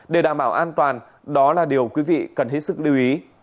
để đảm bảo an toàn đó là điều quý vị cần hết sức lưu ý